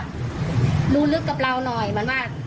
ดูลึกกับเราหน่อยเหมือนว่า